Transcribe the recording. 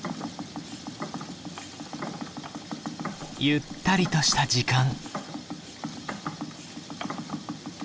ゆったりとした時間。